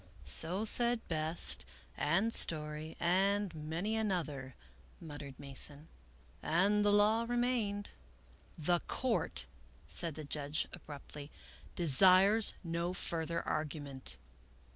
" So said Best, and Story, and many another," muttered Mason, " and the law remained." " The Court," said the judge, abruptly, " desires no fur ther argument."